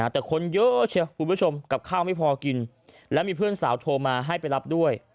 แต่คนเยอะเชียวคุณผู้ชมกับข้าวไม่พอกินแล้วมีเพื่อนสาวโทรมาให้ไปรับด้วย